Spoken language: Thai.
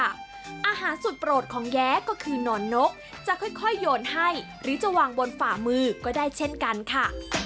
อาหารสุดโปรดของแย้ก็คือนอนนกจะค่อยโยนให้หรือจะวางบนฝ่ามือก็ได้เช่นกันค่ะ